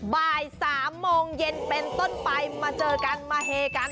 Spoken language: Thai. บ่าย๓โมงเย็นเป็นต้นไปมาเจอกันมาเฮกัน